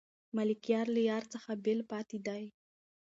ملکیار له یار څخه بېل پاتې دی.